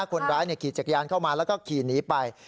คนร้ายขี่จักรยานเข้ามาแล้วก็ขี่หนีไป